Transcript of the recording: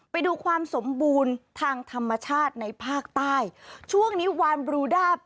ไปดูความสมบูรณ์ทางธรรมชาติในภาคใต้ช่วงนี้วานบรูด้า